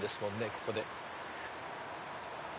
ここで。